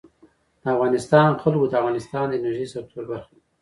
د افغانستان جلکو د افغانستان د انرژۍ سکتور برخه ده.